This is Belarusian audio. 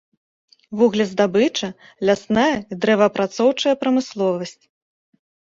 Вуглездабыча, лясная і дрэваапрацоўчая прамысловасць.